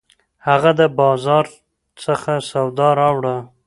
هغه د بازار څخه سودا راوړه